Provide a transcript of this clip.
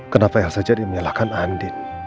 kenapa elsa jadi menyalahkan andin